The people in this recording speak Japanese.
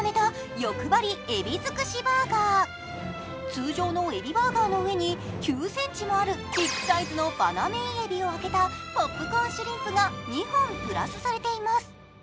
通常のエビバーガーの上に９ｃｍもあるビッグサイズのバナメイエビを揚げたポップコーンシュリンプが２本プラスされています。